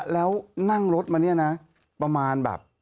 แล้วนั่งรถมาเนี่ยนะประมาณแบบ